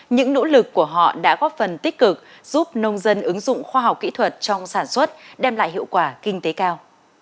những nỗ lực của họ đã góp phần tích cực giúp nông dân ứng dụng khoa học kỹ thuật trong sản xuất đem lại hiệu quả kinh tế cao